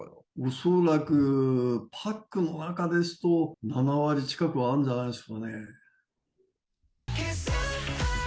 恐らくパックの中ですと、７割近くはあるんじゃないですかね。